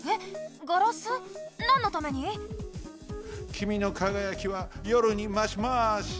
きみのかがやきはよるにましまし！